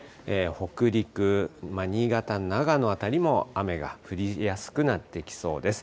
北陸、新潟、長野辺りも雨が降りやすくなってきそうです。